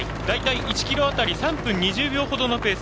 １ｋｍあたり３分２０秒ほどのペース。